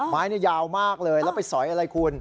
ไม้นี่ยาวมากเลยแล้วไปสอยอะไรคุณ